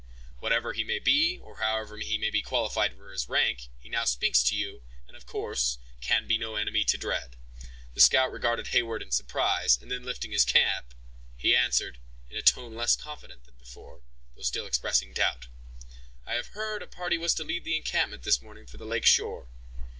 "Whatever he may be, or however he may be qualified for his rank, he now speaks to you and, of course, can be no enemy to dread." The scout regarded Heyward in surprise, and then lifting his cap, he answered, in a tone less confident than before—though still expressing doubt. "I have heard a party was to leave the encampment this morning for the lake shore?"